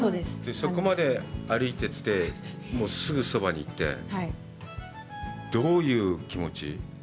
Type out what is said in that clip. そこまで歩いていって、すぐそばに行って、どういう気持ち？